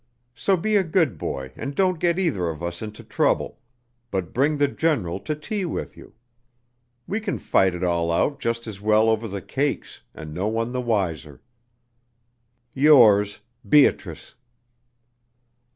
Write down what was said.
So be a good boy and don't get either of us into trouble, but bring the general to tea with you. We can fight it all out just as well over the cakes and no one the wiser. Yours, BEATRICE."